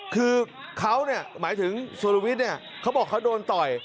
คือเขาเนี่ยหมายถึงสุรวิทย์เนี่ยเขาบอกเขาโดนต่อย